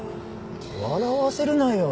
笑わせるなよ。